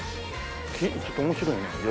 ちょっと面白いね予備校。